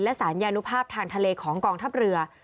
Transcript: และสารยานุภาพทางทะเลของกองทัพเรือ